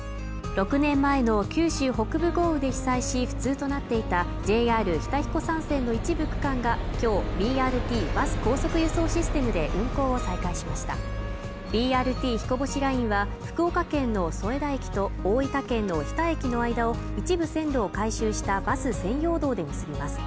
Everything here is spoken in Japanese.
６年前の九州北部豪雨で被災し不通となっていたＪＲ日田彦山線の一部区間がきょうＢＲＴ＝バス高速輸送システムで運行を再開しましたＢＲＴひこぼしラインは福岡県の添田駅と大分県の日田駅の間を一部線路を改修したバス専用道で結びます